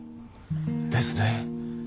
ですね。